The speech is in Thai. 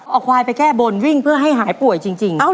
เอาควายไปแก้บนวิ่งเพื่อให้หายป่วยจริง